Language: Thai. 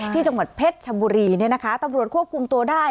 ที่จังหวัดเพชรชบุรีเนี่ยนะคะตำรวจควบคุมตัวได้